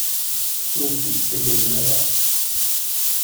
Ur ten-tettagadem ara.